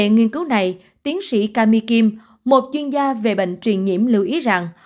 viện nghiên cứu này tiến sĩ kami kim một chuyên gia về bệnh truyền nhiễm lưu ý rằng